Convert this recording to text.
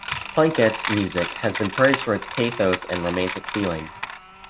Planquette's music has been praised for its pathos and romantic feeling.